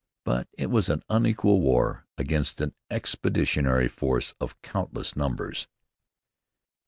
But it was an unequal war against an expeditionary force of countless numbers.